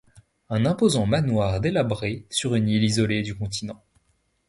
Un imposant manoir délabré sur une île isolé du continent.